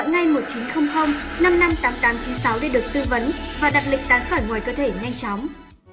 gọi ngay một nghìn chín trăm linh năm trăm năm mươi tám nghìn tám trăm chín mươi sáu để được tư vấn và đặt lịch tán sở ngoài cơ thể nhanh chóng